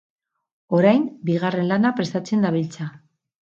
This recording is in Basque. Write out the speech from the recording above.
Orain, bigarren lana prestatzen dabiltza.